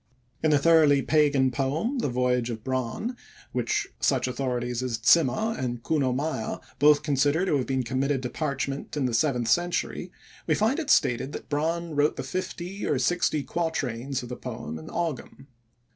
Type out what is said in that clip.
In the thoroughly pagan poem, The Voyage of Bran, which such authorities as Zimmer and Kuno Meyer both consider to have been committed to parchment in the seventh century, we find it stated that Bran wrote the fifty or sixty quatrains of the poem in Ogam.